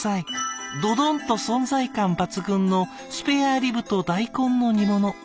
ドドンと存在感抜群のスペアリブと大根の煮物。